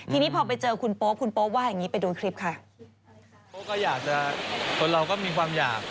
ที่นี้พอไปเจอคุณโป๊ปคุณโป๊ปว่าอย่างนี้ไปดูคลิปค่ะ